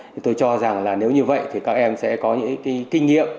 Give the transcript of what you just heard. thì tôi cho rằng là nếu như vậy thì các em sẽ có những cái kinh nghiệm